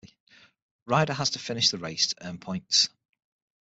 Rider has to finish the race to earn points.